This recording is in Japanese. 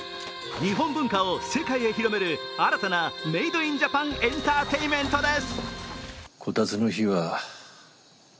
日本文化を世界へ広める新たなメイド・イン・ジャパンエンターテインメントです。